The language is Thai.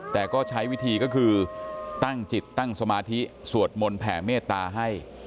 แต่ก็ใช้วิธีก็คือตั้งจิตตั้งสมาธิสวดมนต์แผ่เมตตาให้